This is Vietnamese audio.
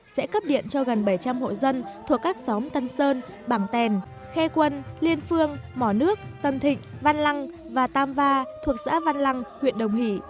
sẽ cấp điện cho gần bảy trăm linh hộ dân thuộc các xóm tân sơn bản tèn khe quân liên phương mỏ nước tân thịnh văn lăng và tam va thuộc xã văn lăng huyện đồng hỷ